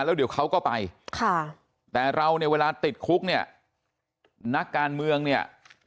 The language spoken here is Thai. แล้วเดี๋ยวเขาก็ไปค่ะแต่เราเนี่ยเวลาติดคุกเนี่ยนักการเมืองเนี่ย